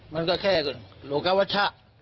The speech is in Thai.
มันก็แค่โลกวัชชะ